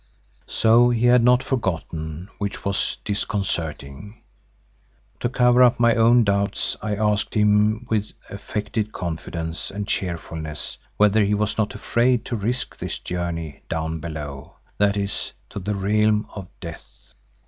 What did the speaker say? So he had not forgotten, which was disconcerting. To cover up my own doubts I asked him with affected confidence and cheerfulness whether he was not afraid to risk this journey "down below," that is, to the Realm of Death.